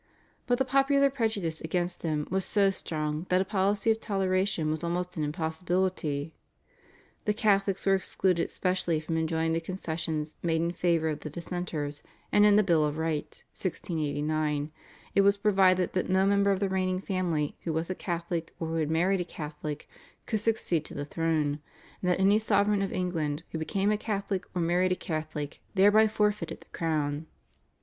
But the popular prejudice against them was so strong that a policy of toleration was almost an impossibility. The Catholics were excluded specially from enjoying the concessions made in favour of the Dissenters, and in the Bill of Rights (1689) it was provided that no member of the reigning family who was a Catholic or had married a Catholic could succeed to the throne, and that any sovereign of England who became a Catholic or married a Catholic thereby forfeited the crown.